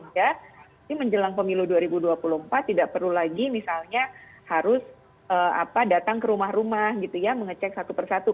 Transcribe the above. jadi menjelang pemilu dua ribu dua puluh empat tidak perlu lagi misalnya harus datang ke rumah rumah mengecek satu persatu